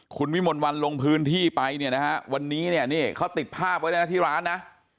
คุณวิมนต์วรรณลงพื้นที่ไปนะครับวันนี้เนี่ยเนี่ยเขาติดภาพไว้ได้นะที่ร้านนะ